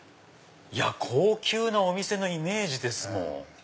高級なお店のイメージですもん。